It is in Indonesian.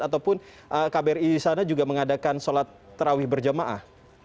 ataupun kbri di sana juga mengadakan sholat terawih berjamaah